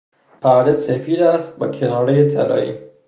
پرده سفید است با کنارهی طلایی.